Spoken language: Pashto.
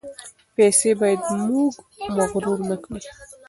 پیسې باید موږ مغرور نکړي.